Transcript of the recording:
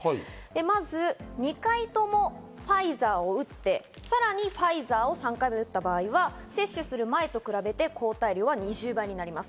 まず２回ともファイザーを打って、さらにファイザーを３回目を打った場合は接種する前と比べて抗体量は２０倍になります。